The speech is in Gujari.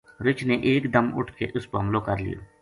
رِچھ نے ایک دم اٹھ کے اس پو حملو کر لیو